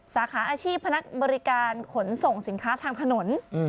สาขาอาชีพพนักบริการขนส่งสินค้าทางถนน